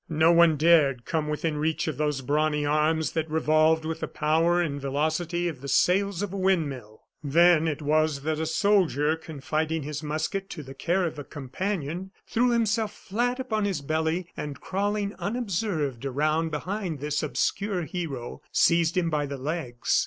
No one dared come within reach of those brawny arms that revolved with the power and velocity of the sails of a wind mill. Then it was that a soldier, confiding his musket to the care of a companion, threw himself flat upon his belly, and crawling unobserved around behind this obscure hero, seized him by the legs.